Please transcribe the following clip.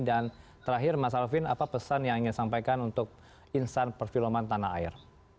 dan terakhir mas alvin apa pesan yang ingin disampaikan untuk insan perfiloman tanah air